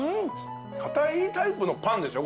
かたいタイプのパンでしょ？